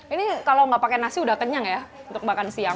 ini kalau nggak pakai nasi udah kenyang ya untuk makan siang